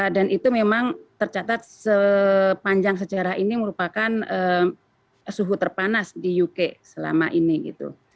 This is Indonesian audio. dan itu memang tercatat sepanjang sejarah ini merupakan suhu terpanas di uk selama ini gitu